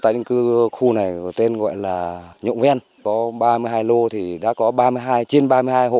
tái định cư khu này có tên gọi là nhộng ven có ba mươi hai lô thì đã có ba mươi hai trên ba mươi hai hộ